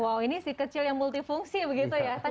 wow ini si kecil yang multifungsi begitu ya